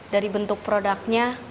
dari bentuk produknya